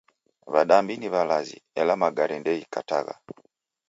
W'adambi ni w'alazi , ela magari ndeghikatagha